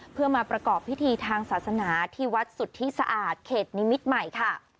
เพื่อมาประกอบพิธีทางศาสนาที่วัดสุทธิสะอาดเขตนิมิตรใหม่ค่ะ